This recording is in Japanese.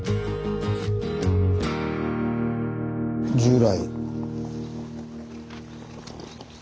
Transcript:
従来。